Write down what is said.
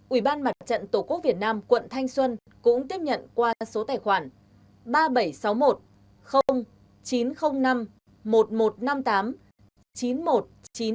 ủy ban mặt trận tổ quốc việt nam tp hà nội quận thanh xuân cũng tiếp nhận qua số tài khoản ba nghìn bảy trăm sáu mươi một chín trăm linh năm một nghìn một trăm năm mươi tám chín mươi một nghìn chín trăm chín mươi chín tại kho bạc nhà nước tp hà nội